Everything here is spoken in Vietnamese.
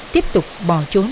tiếp tục bỏ trốn